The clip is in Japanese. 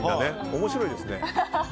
面白いですね。